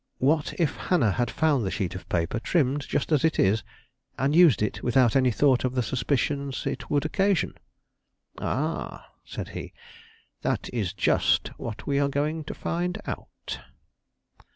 What if Hannah had found the sheet of paper, trimmed just as it is, and used it without any thought of the suspicions it would occasion!" "Ah!" said he, "that is just what we are going to find out."